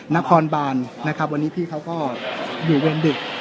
นครบานนะครับวันนี้พี่เขาก็อยู่เวรดึก